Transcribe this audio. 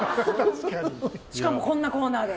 しかもこんなコーナーで。